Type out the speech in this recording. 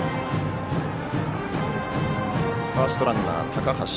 ファーストランナー、高橋。